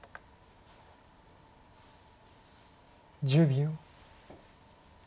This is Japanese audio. １０秒。